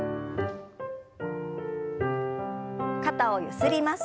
肩をゆすります。